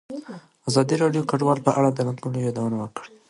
ازادي راډیو د کډوال په اړه د ننګونو یادونه کړې.